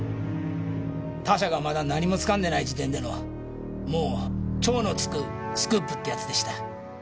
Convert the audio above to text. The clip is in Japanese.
他社がまだ何もつかんでない時点でのもう超のつくスクープってやつでした。